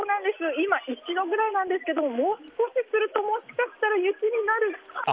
今、１度くらいなんですけどもう少しするともしかしたら雪になるかも。